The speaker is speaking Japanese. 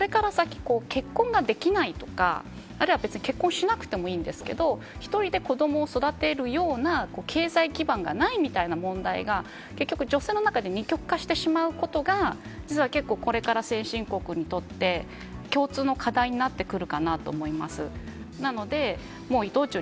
パートとかの人が子どもを産んでいるというケースがあったんですがこれから先、結婚ができないとかあるいは別に結婚しなくてもいいんですけど一人で子どもを育てるような経済基盤がないみたいな問題が結局、女性の中で二極化してしまうことが実は結構これから、先進国にとって共通の課題になってくるかなと思います。